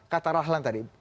kata rahlan tadi